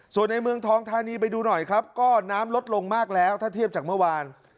ส่วนในเมืองทองธานีไปดูหน่อยครับก็น้ำลดลงมากแล้วถ้าเทียบจากเมื่อวาน